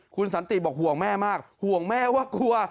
คุณสันติบอกห่วงแม่มากห่วงแม่ว่ากลัว